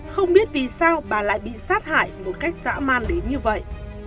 không biết vì sao bà lại bị sát hại một cách dã man đến như vậy